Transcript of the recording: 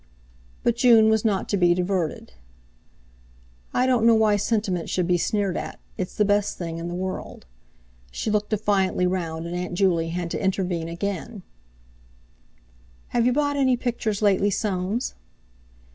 But June was not to be diverted. "I don't know why sentiment should be sneered at. It's the best thing in the world." She looked defiantly round, and Aunt Juley had to intervene again: "Have you bought any pictures lately, Soames?"